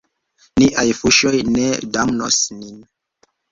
Niaj fuŝoj ne damnos nin.